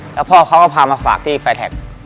แล้วพ่อเขาก็พามาฝากที่แฟนแท็ก